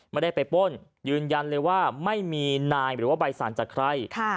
ไม่ได้ไปป้นยืนยันเลยว่าไม่มีนายหรือว่าใบสั่งจากใคร